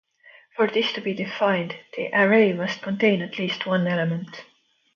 For this to be defined, the array must contain at least one element.